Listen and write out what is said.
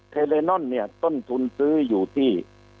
เลนอนเนี่ยต้นทุนซื้ออยู่ที่